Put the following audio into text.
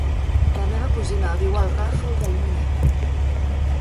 La meva cosina viu al Ràfol d'Almúnia.